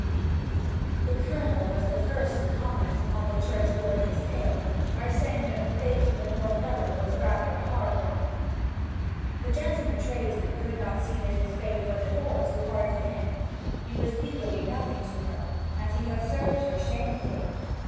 The Colonel was the first to comment upon the Churchwarden's tale, by saying that the fate of the poor fellow was rather a hard one. The gentleman tradesman could not see that his fate was at all too hard for him. He was legally nothing to her, and he had served her shamefully.